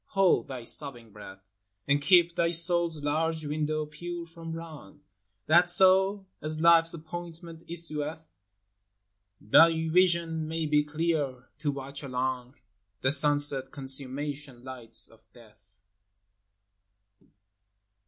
hold thy sobbing breath, And keep thy soul's large window pure from wrong, — That so, as life's appointment issueth Thy vision may be clear to watch along The sunset consummation lights of death.